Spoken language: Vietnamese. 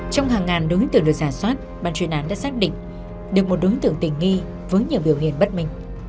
trong hàng ngàn đối tượng được giả soát bàn chuyên án đã xác định được một đối tượng tình nghi với nhiều biểu hiện bất minh